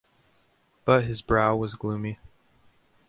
But his brow was gloomy.